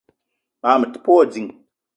Mag me te pe wa ding.